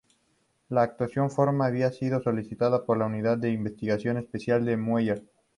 La acusación formal había sido solicitada por la unidad de investigación especial de Mueller.